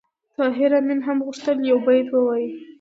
طاهر آمین هم غوښتل یو بیت ووایي